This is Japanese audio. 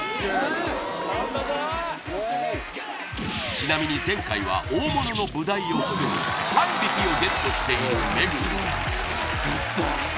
ちなみに前回は大物のブダイを含む３匹をＧＥＴしている目黒